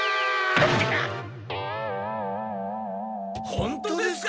本当ですか？